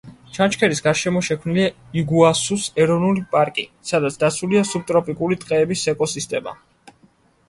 ჩანჩქერის გარშემო შექმნილია იგუასუს ეროვნული პარკი, სადაც დაცულია სუბტროპიკული ტყეების ეკოსისტემა.